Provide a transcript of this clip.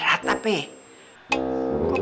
apa hukumannya terlalu berat ape